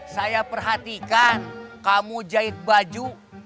saya perhatikan kamu jahit baju